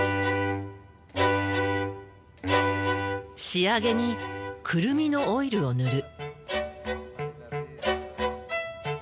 仕上げにクルミのオイルを塗る。